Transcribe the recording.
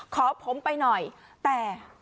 ขอผมไปหน่อยแต่